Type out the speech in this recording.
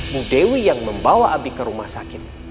bu dewi yang membawa abi ke rumah sakit